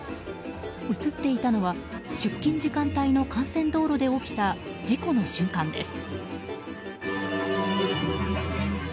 映っていたのは出勤時間帯の幹線道路で起きた事故の瞬間です。